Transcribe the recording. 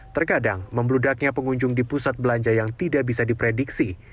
terkadang membludaknya pengunjung di pusat belanja yang tidak bisa diprediksi